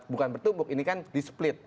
bukan bertumbuk ini kan di split